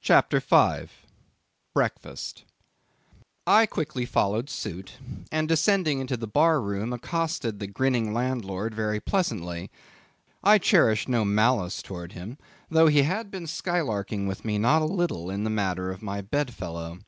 CHAPTER 5. Breakfast. I quickly followed suit, and descending into the bar room accosted the grinning landlord very pleasantly. I cherished no malice towards him, though he had been skylarking with me not a little in the matter of my bedfellow.